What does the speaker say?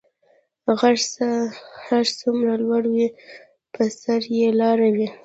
غر څه هر څومره لوړ وی په سر ئي لاره وی